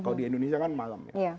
kalau di indonesia kan malam ya